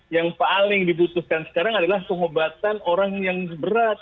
yang paling dibutuhkan sekarang adalah pengobatan orang yang berat